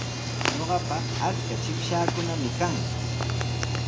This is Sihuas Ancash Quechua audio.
Ñuqapa achka chikpashaakunami kan.